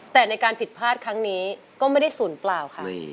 แต่ในการผิดพลาดครั้งนี้ก็ไม่ได้ศูนย์เปล่าค่ะ